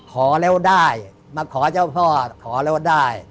ขอแล้วได้มาขอเจ้าพ่อขอแล้วได้